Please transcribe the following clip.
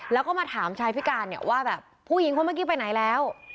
แล้วก็มาถามชายพิการเนี่ยว่าแบบผู้หญิงคนเมื่อกี้ไปไหนแล้ว